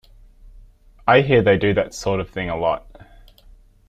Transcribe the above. I hear they do that sort of thing a lot.